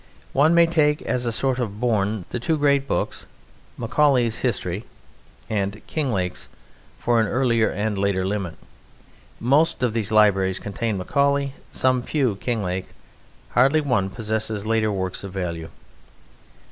One may take as a sort of bourne, the two great books Macaulay's History and Kinglake's, for an earlier and a later limit. Most of these libraries contain Macaulay; some few Kinglake; hardly one possesses later works of value.